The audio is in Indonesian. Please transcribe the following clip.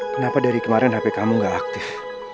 kenapa dari kemarin hp kamu gak aktif